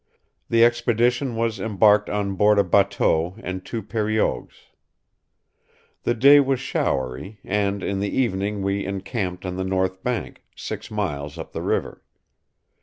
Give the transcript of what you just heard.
The expedition was embarked on board a batteau and two periogues. The day was showery, and in the evening we encamped on the north bank, six miles up the river.